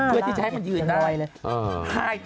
เพื่อที่จะให้มันยืนนะอ๋อมีหน้าล่ะจะรอยเลย